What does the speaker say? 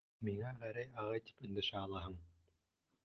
Миңә Гәрәй ағай тип өндәшә алаһың.